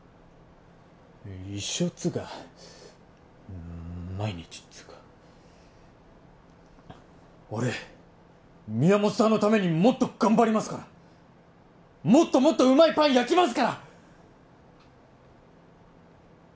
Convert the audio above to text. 一生っつーか毎日っつーか俺宮本さんのためにもっと頑張りますからもっともっとうまいパン焼きますから！